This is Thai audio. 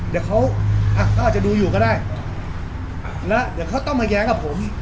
เดี๋ยวเขาอ่ะเขาอาจจะดูอยู่ก็ได้แล้วเดี๋ยวเขาต้องมาแย้งกับผม